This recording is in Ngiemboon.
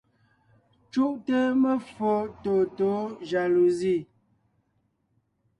Cúʼte meffo tôtǒ jaluzi.